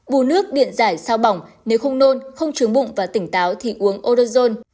bù nước điện giải sau bỏng nếu không nôn không trướng bụng và tỉnh táo thì uống orozone